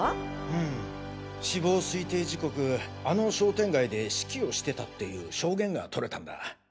うん死亡推定時刻あの商店街で指揮をしてたっていう証言がとれたんだ。